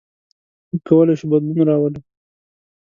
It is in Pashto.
موږ کولی شو بدلون راولو.